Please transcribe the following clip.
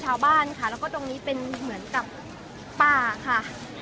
ชาวบ้านค่ะแล้วก็ตรงนี้เป็นเหมือนกับป่าค่ะ